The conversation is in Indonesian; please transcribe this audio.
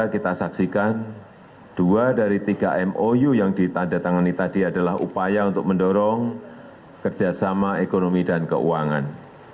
kita saksikan dua dari tiga mou yang ditandatangani tadi adalah upaya untuk mendorong kerjasama ekonomi dan keuangan